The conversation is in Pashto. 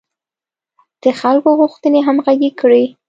د خلکو غوښتنې همغږې کړي.